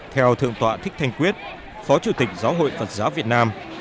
theo thượng tọa thích thanh quyết phó chủ tịch giáo hội phật giáo việt nam